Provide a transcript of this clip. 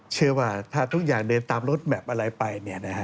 เชื่อว่าถ้าทุกอย่างเดินตามรถแมพอะไรไป